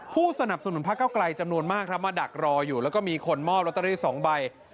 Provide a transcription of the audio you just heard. ผู้สนับสนุนพระเก้าไกลจำนวนมากครับมาดักรออยู่แล้วก็มีคนมอบลอตเตอรี่๒ใบ